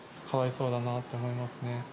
かわいそうだなと思いますね。